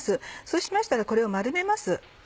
そうしましたらこれを丸めます。